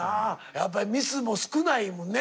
やっぱりミスも少ないもんね。